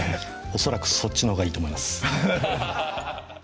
恐らくそっちのほうがいいと思います